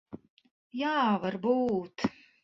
Jā, varbūt.